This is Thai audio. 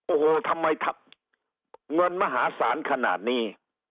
โอ้โหทำไมเงินมหาศาลขนาดนี้